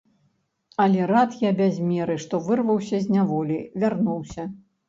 Але рад я без меры, што вырваўся з няволі, вярнуўся.